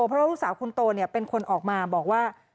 เพราะว่าลูกสาวคนโตเป็นคนออกมาบอกว่า